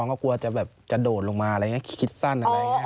ในจังหวะตอนจะขึ้นศาลาวัฒน์